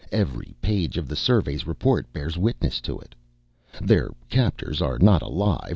Every page of the survey's report bears witness to it. Their captors are not alive.